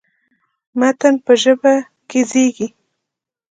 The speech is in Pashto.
متن په ژبه کې زېږي.